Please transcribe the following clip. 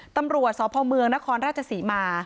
ตำรวจสพเมืองนครราชศรีมา